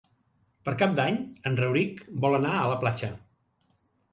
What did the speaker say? Per Cap d'Any en Rauric vol anar a la platja.